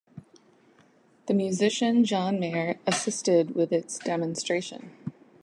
The musician John Mayer assisted with its demonstration.